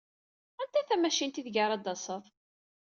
Anta tamacint ideg ara d-taseḍ?